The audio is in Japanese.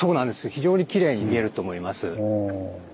非常にきれいに見えると思います。